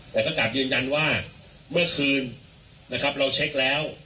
แต่ก็กลับยืนยันว่าเมื่อคืนนะครับเราเช็คแล้ว